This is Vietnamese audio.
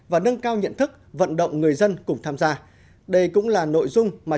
và nâng cao nhận thức vận động người dân cùng tham gia